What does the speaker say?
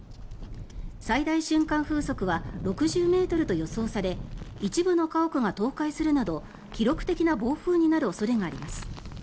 最大瞬間風速は６０ｍと予想され一部の家屋が倒壊するなど記録的な暴風になる恐れがあります。